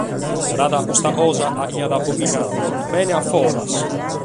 Narada custa cosa, aiat aboghinadu: «Bene a foras!».